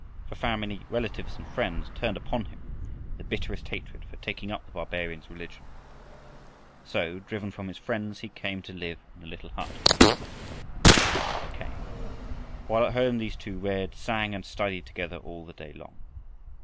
For family, relatives, and friends turned upon him with the bitterest hatred for taking up the barbarian's religion. So, driven from his friends, he came to live in the little hut by the river with Mackay. While at home these two read, sang, and studied together all the day long.